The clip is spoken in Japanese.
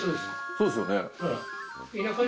そうですよね。